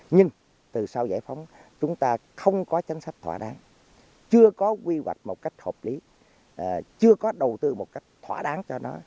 nhưng từ sau giải phóng chúng ta không có chính sách thỏa đáng chưa có quy hoạch một cách hợp lý chưa có đầu tư một cách thỏa đáng cho nó